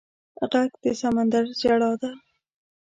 غږ د سمندر ژړا ده